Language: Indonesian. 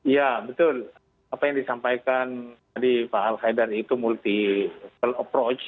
ya betul apa yang disampaikan tadi pak al haidar itu multial approach